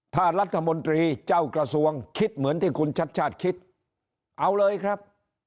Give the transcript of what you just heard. ถ้ารัฐมนตรีเจ้ากระทรวงคิดเหมือนที่คุณชัดชาติคิดเอาเลยครับ